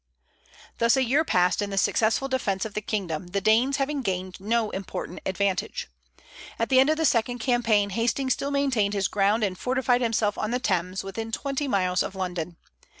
Thus a year passed in the successful defence of the kingdom, the Danes having gained no important advantage. At the end of the second campaign Hasting still maintained his ground and fortified himself on the Thames, within twenty miles of London.